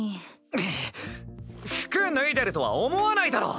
ぐっ服脱いでるとは思わないだろ！